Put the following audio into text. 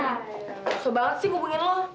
gak usah banget sih hubungin lo